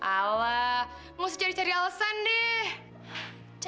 alah kamu harus cari cari alasan deh